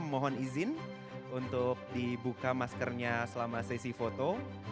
mohon izin untuk dibuka maskernya selama sesi foto